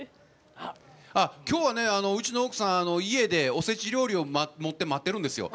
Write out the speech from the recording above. きょうはねうちの奥さん家でおせち料理を持って待ってるんですよ。